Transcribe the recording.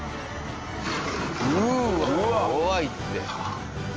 うわっ怖いって。